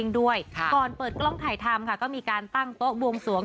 ด้วยก่อนเปิดกล้องถ่ายทำค่ะก็มีการตั้งโต๊ะบวงสวง